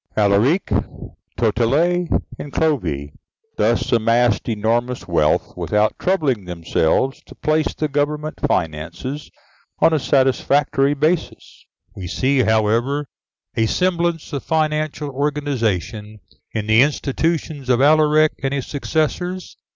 Alaric, Totila, and Clovis thus amassed enormous wealth, without troubling themselves to place the government finances on a satisfactory basis. We see, however, a semblance of financial organization in the institutions of Alaric and his successors.